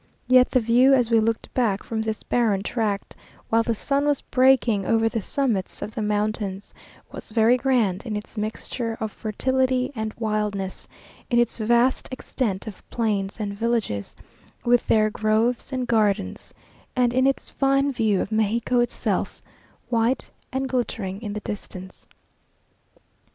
Yet the view, as we looked back from this barren tract, while the sun was breaking over the summits of the mountains, was very grand in its mixture of fertility and wildness, in its vast extent of plains and villages with their groves and gardens, and in its fine view of Mexico itself, white and glittering in the distance.